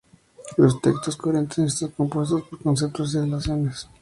Los textos coherentes están compuestos por conceptos y relaciones.